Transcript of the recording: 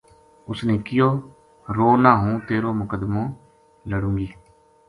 اُس نے کہیو ”رو نہ ہوں تیرو مقدمو لڑوں گی